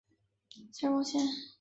塞尔旺谢。